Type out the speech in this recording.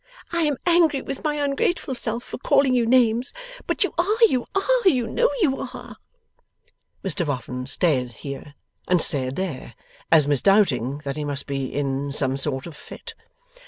'I am angry with my ungrateful self for calling you names; but you are, you are; you know you are!' Mr Boffin stared here, and stared there, as misdoubting that he must be in some sort of fit.